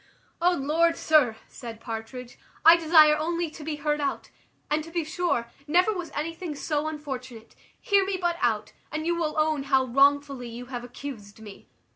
"O Lord, sir," said Partridge, "I desire only to be heard out; and to be sure, never was anything so unfortunate: hear me but out, and you will own how wrongfully you have accused me.